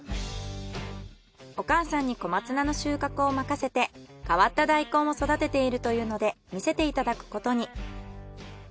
お母さんに小松菜の収穫を任せて変わった大根を育てているというので見せていただくことに。